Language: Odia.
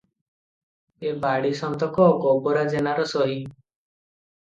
ଏ ବାଡ଼ି ସନ୍ତକ ଗୋବରା ଜେନାର ସହି ।